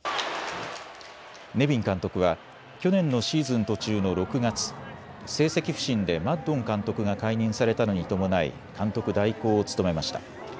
ネビン監督は去年のシーズン途中の６月、成績不振でマッドン監督が解任されたのに伴い監督代行を務めました。